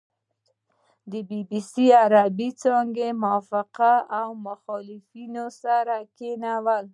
بي بي سي عربې څانګې موافقان او مخالفان سره کېنول.